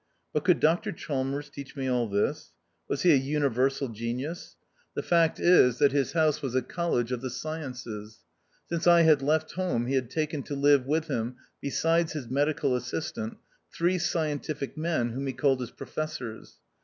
But could Dr Chalmers teach me all this ? Was he a universal genius ? The fact is, THE OUTCAST. 14* that his house was a College of the Sciences. Since I had left home he had taken to live with him, besides his medical assistant, three scientific men, whom he called his Profes sors.